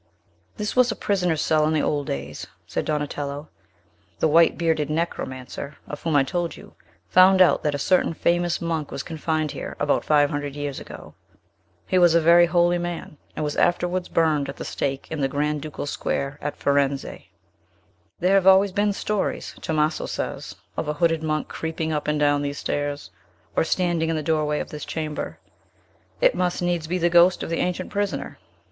"This was a prisoner's cell in the old days," said Donatello; "the white bearded necromancer, of whom I told you, found out that a certain famous monk was confined here, about five hundred years ago. He was a very holy man, and was afterwards burned at the stake in the Grand ducal Square at Firenze. There have always been stories, Tomaso says, of a hooded monk creeping up and down these stairs, or standing in the doorway of this chamber. It must needs be the ghost of the ancient prisoner.